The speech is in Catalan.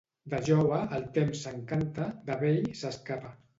De jove, el temps s'encanta; de vell, s'escapa.